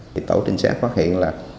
thì tổ trinh sát phát hiện là